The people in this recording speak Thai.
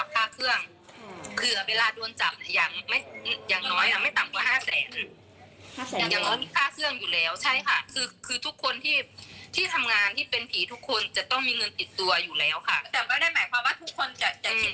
แต่ไม่ได้หมายความว่าทุกคนจะชินต่อนั้นแต่ว่า